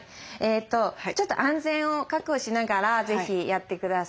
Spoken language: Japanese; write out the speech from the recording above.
ちょっと安全を確保しながら是非やってください。